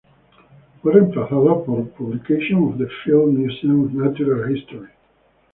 Fue reemplazada por "Publications of the Field Museum of Natural History".